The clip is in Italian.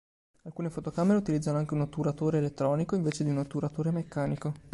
Alcune fotocamere utilizzano anche un otturatore elettronico, invece di un otturatore meccanico.